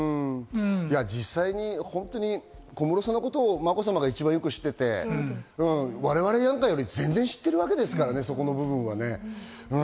実際に小室さんのことをまこさまが一番よく知っていて、我々なんかより全然知ってるわけですからね。